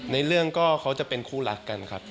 ในเรื่องก็เขาจะเป็นคู่รักกันครับ